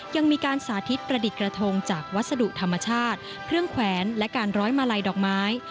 ยังมีการสาธิตประดิษฐ์กระทงจากวัสดุธรรมชาติเครื่องแขวนและการร้อยมาลัยดอกไม้